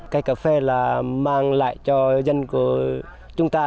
cây cà phê là mang lại cho dân của chúng ta